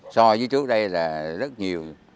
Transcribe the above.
so với trước đây là rất nhiều